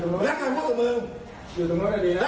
เออไปไหน